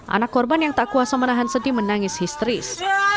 anak korban yang tak kuasa menahan sedih menangis histeris